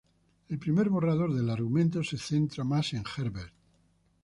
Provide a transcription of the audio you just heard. El primer borrador del argumento se centraba más en Herbert.